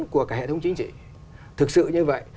của cả hệ thống chính trị thực sự như vậy